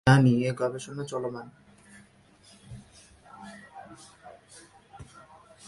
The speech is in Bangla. যা নিয়ে গবেষণা চলমান।